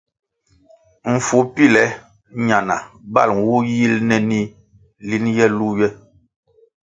Mfu píle ñana bal nwu yil nénih lin ye lu ywe.